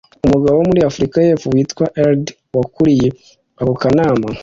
umugabo wo muri afurika y’epfo witwa eldred wakuriye ako kanama